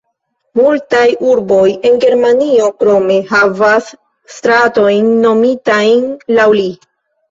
Multaj urboj en Germanio krome havas stratojn nomitajn laŭ li.